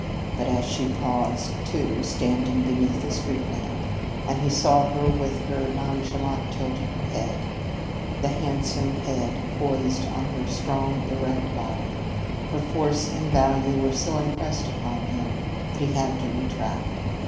But as she paused, too, standing beneath the street lamp, and he saw her with her nonchalant tilt of her head, that handsome head poised on her strong, erect body, her force and value were so impressed upon him that he had to retract.